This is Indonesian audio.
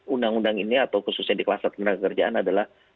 undang undang ini atau khususnya di kluster tenaga kerjaan adalah